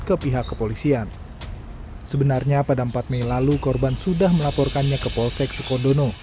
ke pihak kepolisian sebenarnya pada empat mei lalu korban sudah melaporkannya ke polsek sukodono